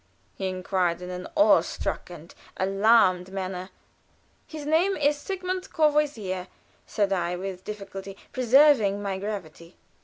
he inquired in an awe struck and alarmed manner. "His name is Sigmund Courvoisier," said I, with difficulty preserving my gravity.